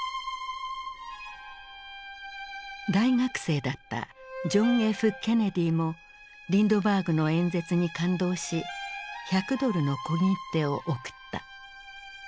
大学生だったジョン・Ｆ・ケネディもリンドバーグの演説に感動し１００ドルの小切手を送った。